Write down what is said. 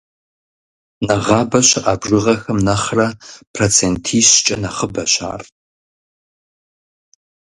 Нэгъабэ щыӏа бжыгъэхэм нэхърэ процентищкӏэ нэхъыбэщ ар.